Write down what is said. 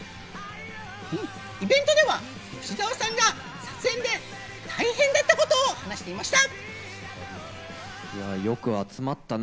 イベントでは吉沢さんが撮影で大変だったことを話していました。